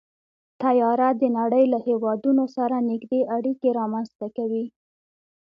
طیاره د نړۍ له هېوادونو سره نږدې اړیکې رامنځته کوي.